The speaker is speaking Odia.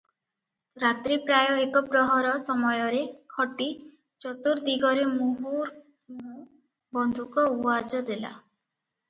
ରାତ୍ରୀ ପ୍ରାୟ ଏକପ୍ରହର ସମୟରେ ଖଟି ଚତୁର୍ଦ୍ଦିଗରେ ମୁହୁର୍ମୁହୁ ବନ୍ଧୁକ ଉଆଜ ଦେଲା ।